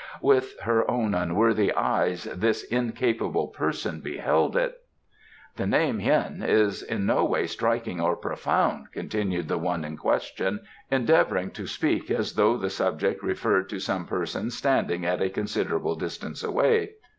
"With her own unworthy eyes this incapable person beheld it." "The name 'Hien' is in no way striking or profound," continued the one in question, endeavouring to speak as though the subject referred to some person standing at a considerable distance away.